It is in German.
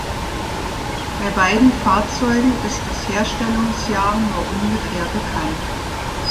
Bei beiden Fahrzeugen ist das Herstellungsjahr nur ungefähr bekannt.